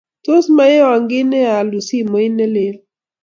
tos muiyowo kine ye aalun simet ne lel.